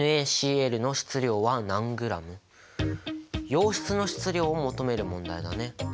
溶質の質量を求める問題だね。